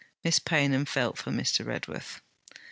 Miss Paynham felt for Mr. Redworth.